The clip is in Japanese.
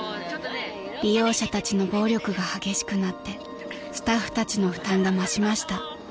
［利用者たちの暴力が激しくなってスタッフたちの負担が増しました］